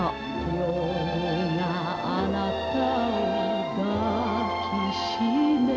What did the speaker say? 「夜があなたを抱きしめ」